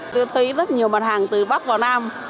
tôi thấy rất nhiều mặt hàng từ bắc vào nam